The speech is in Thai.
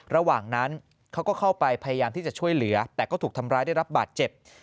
ระหว่างนั้นเขาก็เข้าไปพยายามที่จะช่วยเหลือแต่ก็ถูกทำร้ายได้รับบาดเจ็บ